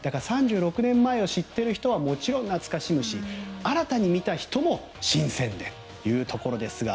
３６年前を知っている人はもちろん懐かしむし新たに見た人も新鮮でということですが。